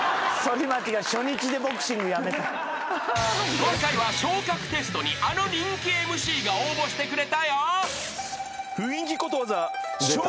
［今回は昇格テストにあの人気ＭＣが応募してくれたよ］